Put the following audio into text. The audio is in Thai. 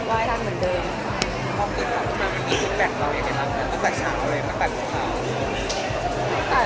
ช่องฐกศูนย์มีฟิดแบบไหม